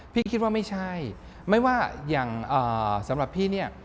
พี่คิดว่าไม่ใช่ไม่ว่าอย่างสำหรับพี่เนี่ย